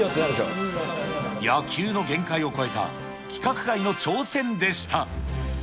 野球の限界を超えた規格外の挑戦でした。